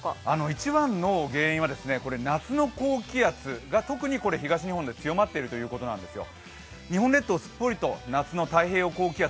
一番の原因は、夏の高気圧が特に東日本で強まってるんですよ。